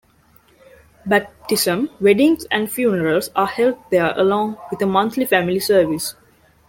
Baptism, weddings and funerals are held there along with a monthly family service.